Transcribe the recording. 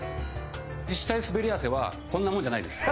実際のスベり汗はこんなもんじゃないです。